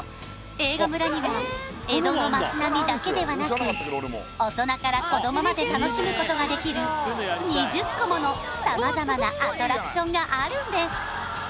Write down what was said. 映画村には江戸の町並みだけではなく大人から子どもまで楽しむことができる２０個もの様々なアトラクションがあるんです！